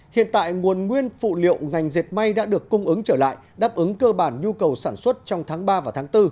hiện tại nguồn nguyên phụ liệu ngành dệt may đã được cung ứng trở lại đáp ứng cơ bản nhu cầu sản xuất trong tháng ba và tháng bốn